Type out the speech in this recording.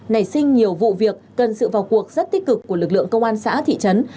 nảy sinh nhiều vụ việc cần sự vào cuộc rất tích cực của lực lượng công an xã thị trấn